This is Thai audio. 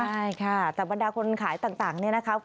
ใช่ค่ะแต่บรรดาคนขายต่างเนี่ยนะคะ